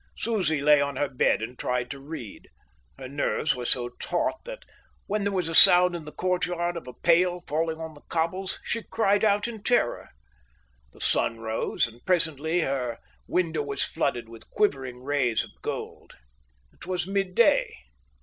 Susie lay on her bed and tried to read. Her nerves were so taut that, when there was a sound in the courtyard of a pail falling on the cobbles, she cried out in terror. The sun rose, and presently her window was flooded with quivering rays of gold. It was midday.